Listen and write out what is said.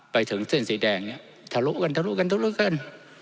ไปถึงเส้นสีแดงเนี่ยทะลุกันทะลุกันทะลุกัน